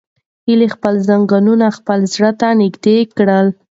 هیلې خپل زنګونونه خپل زړه ته نږدې کړل.